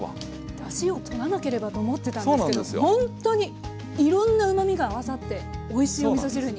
だしを取らなければと思ってたんですけどほんとにいろんなうまみが合わさっておいしいおみそ汁に。